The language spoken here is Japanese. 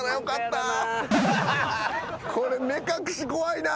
これ目隠し怖いな。